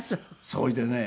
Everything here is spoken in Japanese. それでね